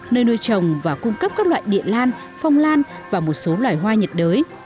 nơi nuôi trồng và cung cấp các loại điện lan phong lan và một số loại hoa nhật đới